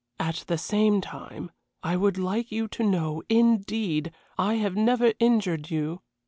At the same time, I would like you to know, in deed, I have never injured you.